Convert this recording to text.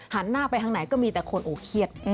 หันหน้าไปทางไหนก็มีแต่คนโอ้เครียด